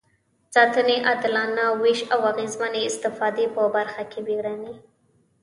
ساتنې، عادلانه وېش او اغېزمنې استفادې په برخه کې بیړني.